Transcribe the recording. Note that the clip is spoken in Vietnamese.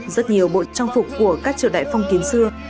rất nhiều bộ trang phục của các triều đại phong kiến xưa